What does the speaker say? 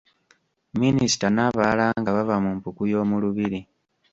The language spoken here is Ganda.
Minisita n’abalala nga bava mu mpuku y’omu Lubiri.